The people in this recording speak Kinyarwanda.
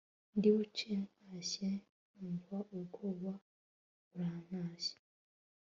ndibuce ntashye nkumva ubwoba burantashye